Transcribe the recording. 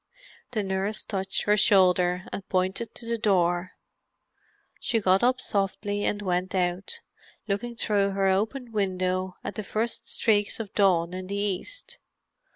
The nurse touched her shoulder and pointed to the door; she got up softly and went out, looking through her open window at the first streaks of dawn in the east.